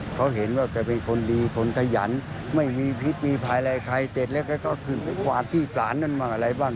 เขาเห็นว่าแกเป็นคนดีคนขยันไม่มีพิษมีภายอะไรใครเสร็จแล้วแกก็ขึ้นไปกวาดที่ศาลนั่นบ้างอะไรบ้าง